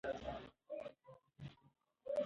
فعاله ښځې راتلونکی نسل مسؤلانه روزي.